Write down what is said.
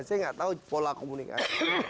saya nggak tahu pola komunikasi